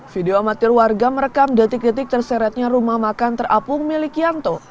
video amatir warga merekam detik detik terseretnya rumah makan terapung milik yanto